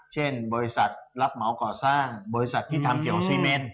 เช่นบริษัทรับเหมาก่อสร้างบริษัทที่ทำเกี่ยวกับซีเมน